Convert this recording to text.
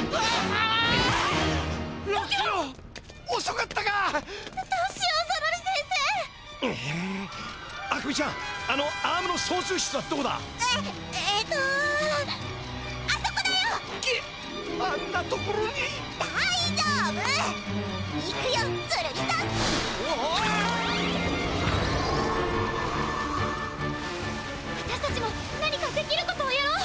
わたしたちも何かできることをやろう！